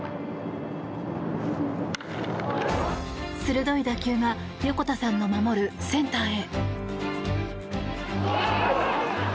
鋭い打球が横田さんの守るセンターへ。